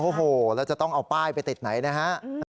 โอ้โหแล้วจะต้องเอาป้ายไปติดไหนนะฮะ